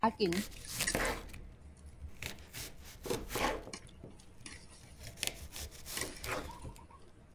We need a global revolution. Power to the proletariat!